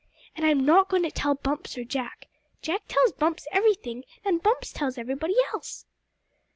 And I'm not going to tell Bumps or Jack. Jack tells Bumps everything, and Bumps tells everybody else!"